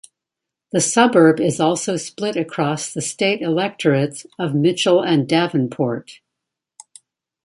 The suburb is also split across the state electorates of Mitchell and Davenport.